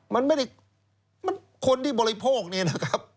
มันไม่ได้มันคนที่บริโภคเนี่ยนะครับ